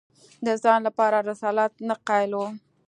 د ځان لپاره رسالت نه قایل وو